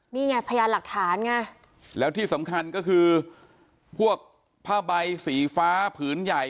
นี่ไงพยานหลักฐานไงแล้วที่สำคัญก็คือพวกผ้าใบสีฟ้าผืนใหญ่